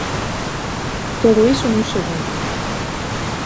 Todo iso nuns segundos.